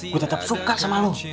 gua tetep suka sama lu